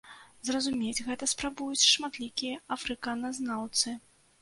Зразумець гэта спрабуюць шматлікія афрыканазнаўцы.